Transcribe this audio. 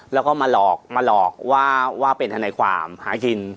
แล้วก็มาหลอกมาหลอกว่าเป็นทนายความหากิน